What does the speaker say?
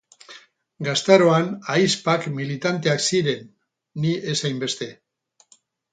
Gaztaroan, ahizpak militanteak ziren, ni ez hainbeste.